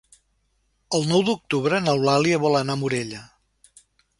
El nou d'octubre n'Eulàlia vol anar a Morella.